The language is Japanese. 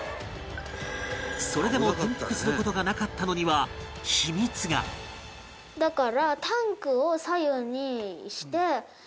それでも転覆する事がなかったのには秘密がだから。